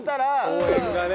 応援がね。